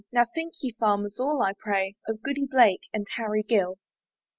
Now think, ye farmers all, I pray, Of Goody Blake and Harry Gill.